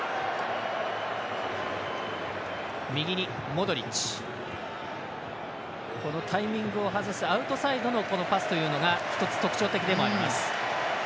モドリッチ、タイミングを外すアウトサイドのパスというのが一つ特徴的でもあります。